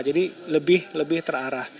jadi lebih terarah